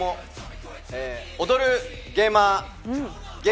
踊るゲーマー。